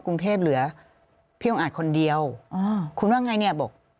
กรุงเทพเหลือพี่องค์อาจคนเดียวอ่าคุณว่าไงเนี่ยบอก